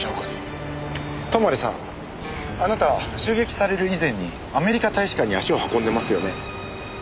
泊さんあなた襲撃される以前にアメリカ大使館に足を運んでますよね？